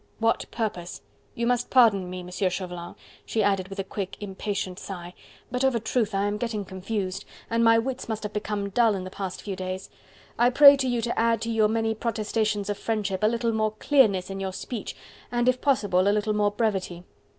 "What purpose? You must pardon me, Monsieur Chauvelin," she added with a quick, impatient sigh, "but of a truth I am getting confused, and my wits must have become dull in the past few days. I pray to you to add to your many protestations of friendship a little more clearness in your speech and, if possible, a little more brevity.